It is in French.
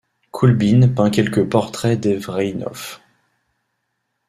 Koulbine peint quelques portraits d'Evreïnoff.